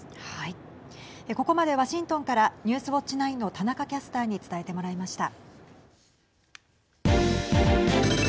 ここまでワシントンからニュースウオッチ９の田中キャスターに伝えてもらいました。